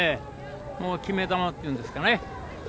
決め球というんですかね。